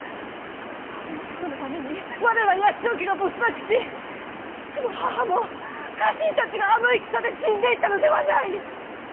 こんなことのために我ら八千代家が没落し父も母も家臣たちがあの戦で死んでいったのではない！